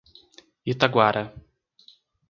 Itaguara